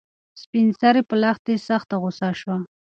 سپین سرې په لښتې سخته غوسه شوه.